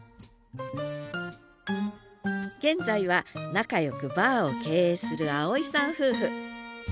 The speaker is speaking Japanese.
現在は仲よくバーを経営する青井さん夫婦。